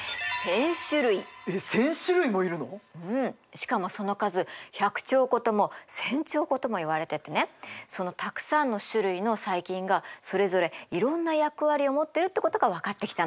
しかもその数１００兆個とも１，０００兆個ともいわれててねそのたくさんの種類の細菌がそれぞれいろんな役割を持ってるってことが分かってきたの。